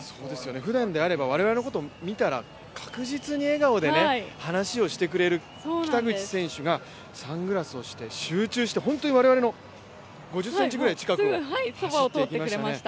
ふだんであれば、我々のことを見たら確実に笑顔で話をしてくれる北口選手がサングラスをして、集中して本当に我々の５０ｃｍぐらい近くを走っていきましたね。